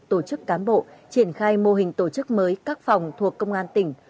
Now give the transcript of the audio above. tổ chức cán bộ triển khai mô hình tổ chức mới các phòng thuộc công an tỉnh